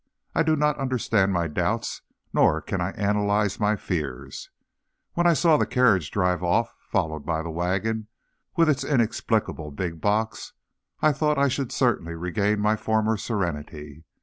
I do not understand my doubts nor can I analyze my fears. When I saw the carriage drive off, followed by the wagon with its inexplicable big box, I thought I should certainly regain my former serenity.